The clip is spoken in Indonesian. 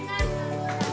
terima kasih pak hendrik